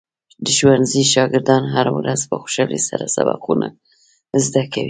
د ښوونځي شاګردان هره ورځ په خوشحالۍ سره سبقونه زده کوي.